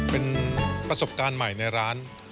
เป็นประสบการณ์ใหม่ในร้าน